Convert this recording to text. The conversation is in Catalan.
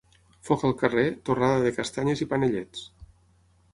Foc al carrer, torrada de castanyes i panellets.